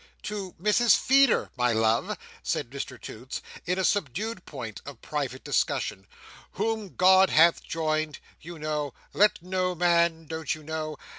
"To Mrs Feeder, my love!" said Mr Toots, in a subdued tone of private discussion: '"whom God hath joined,' you know, 'let no man'—don't you know?